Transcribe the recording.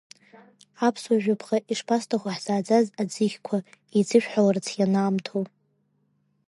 Аԥсуа жәаԥҟа ишԥасҭаху ҳзааӡаз аӡыхьқәа, еиҵышәхларц ианаамҭоу.